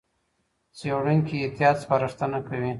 څېړونکي احتیاط سپارښتنه کوي.